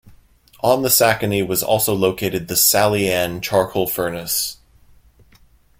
On the Sacony was also located the "Sally Ann" charcoal furnace.